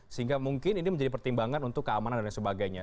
sehingga mungkin ini menjadi pertimbangan untuk keamanan dan lain sebagainya